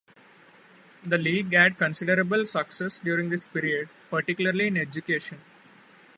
The League had considerable success during this period, particularly in education.